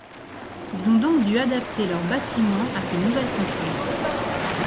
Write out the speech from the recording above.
Ils ont donc dû adapter leurs bâtiments à ces nouvelles contraintes.